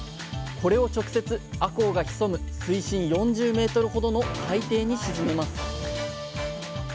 これを直接あこうが潜む水深４０メートルほどの海底に沈めます